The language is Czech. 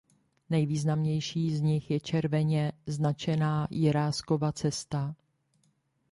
Nejvýznamnější z nich je červeně značená Jiráskova cesta.